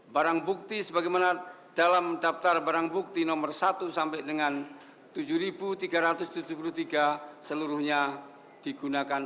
barang bukti sebagaimana dalam daftar barang bukti nomor satu sampai dengan tujuh tiga ratus tujuh puluh tiga seluruhnya digunakan